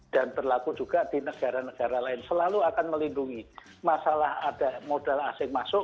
dan terlaku juga di negara negara lain selalu akan melindungi masalah ada modal asing masuk